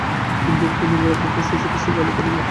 বিন্দুকে আনিবার অপরাধে শশীকে সে গালাগালি করিল।